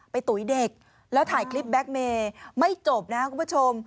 ตุ๋ยเด็กแล้วถ่ายคลิปแก๊กเมย์ไม่จบนะคุณผู้ชม